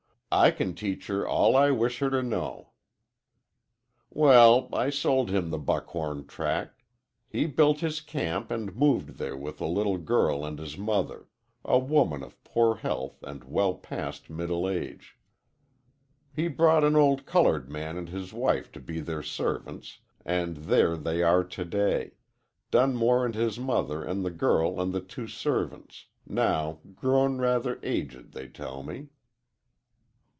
I can teach her all I wish her to know.' "Well, I sold him the Buckhorn tract. He built his camp, and moved there with the little girl and his mother a woman of poor health and well past middle age. He brought an old colored man and his wife to be their servants, and there they are to day Dunmore and his mother and the girl and the two servants, now grown rather aged, they tell me."